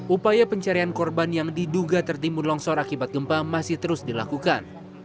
upaya pencarian korban yang diduga tertimbun longsor akibat gempa masih terus dilakukan